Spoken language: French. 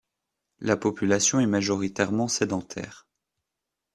La population est majoritairement sédentaire.